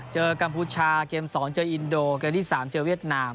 เจอกัมพูชาเกมสอนเจออินโดเกมที่สามเจอเวียดนาม